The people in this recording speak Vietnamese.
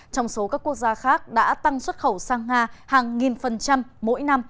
trong số các quốc gia khác đã tăng xuất khẩu sang nga hàng nghìn phần trăm mỗi năm